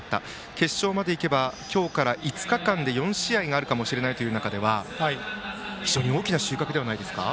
決勝までいけば今日から５日間で４試合あるかもしれない中で非常に大きな収穫ではないですか。